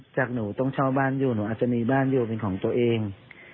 จากหนูต้องเช่าบ้านอยู่หนูอาจจะมีบ้านอยู่เป็นของตัวเอง